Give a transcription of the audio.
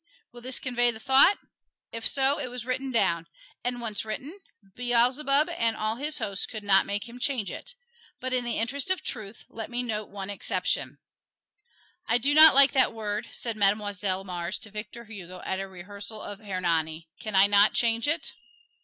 Will this convey the thought? If so, it was written down, and, once written, Beelzebub and all his hosts could not make him change it. But in the interest of truth let me note one exception: "I do not like that word," said Mademoiselle Mars to Victor Hugo at a rehearsal of "Hernani"; "can I not change it?"